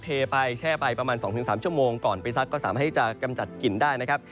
เทไปแช่ไปประมาณ๒๓ชั่วโมงก่อนไปซักก็สามารถที่จะกำจัดกลิ่นได้นะครับ